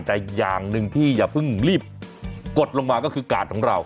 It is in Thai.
แต่อย่างหนึ่งที่อย่าเพิ่งรีบกดลงมาก็คือกาดของเรา